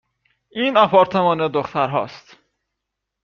!این آپارتمان دخترهاست